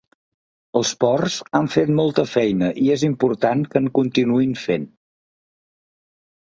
Els ports han fet molta feina i és important que en continuïn fent.